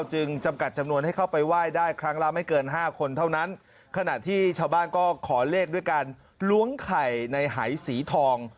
จึงจำกัดจำนวนให้เข้าไปไหว้ได้ครั้งละไม่เกินห้าคนเท่านั้นขณะที่ชาวบ้านก็ขอเลขด้วยการล้วงไข่ในหายสีทอง